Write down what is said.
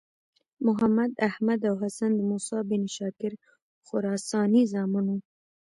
محمد، احمد او حسن د موسی بن شاګر خراساني زامن وو.